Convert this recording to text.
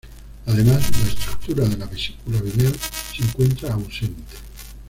Además la estructura de la vesícula biliar se encuentra ausente.